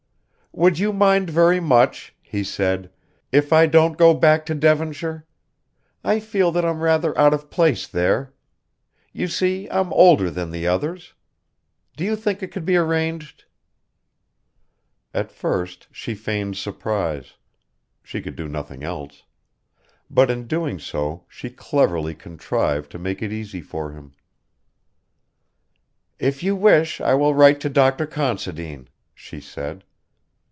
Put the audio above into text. "Would you mind very much," he said, "if I don't go back to Devonshire? I feel that I'm rather out of place there. You see, I'm older than the others. Do you think it could be arranged?" At first she feigned surprise she could do nothing else but in doing so she cleverly contrived to make it easy for him. "If you wish it I will write to Dr. Considine," she said.